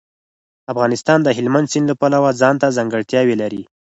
افغانستان د هلمند سیند له پلوه ځانته ځانګړتیاوې لري.